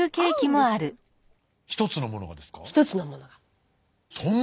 １つのものがですか？